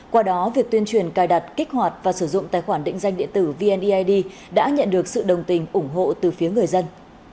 qua đó việc tuyên truyền cài đặt kích hoạt và sử dụng tài khoản định danh điện tử vneid đã nhận được sự đồng tình ủng hộ từ phía người dân